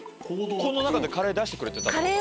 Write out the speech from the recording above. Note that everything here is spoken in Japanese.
この中でカレー出してくれてたってこと？